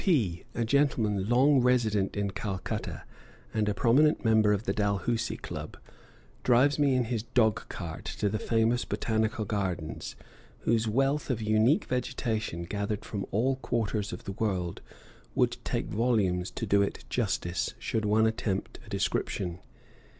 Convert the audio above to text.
P, a gentleman long resident in Calcutta, and a prominent member of the Dalhousie Club, drives me in his dog cart to the famous Botanical Gardens, whose wealth of unique vegetation, gathered from all quarters of the world, would take volumes to do it justice should one attempt a description.